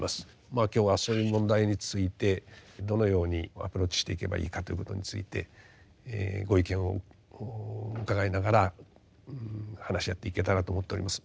今日はそういう問題についてどのようにアプローチしていけばいいかということについてご意見を伺いながら話し合っていけたらと思っております。